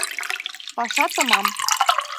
— Паша томам...